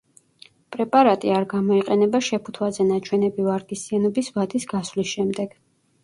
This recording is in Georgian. პრეპარატი არ გამოიყენება შეფუთვაზე ნაჩვენები ვარგისიანობის ვადის გასვლის შემდეგ.